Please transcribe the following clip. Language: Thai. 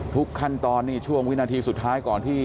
ทุกขั้นตอนนี่ช่วงวินาทีสุดท้ายก่อนที่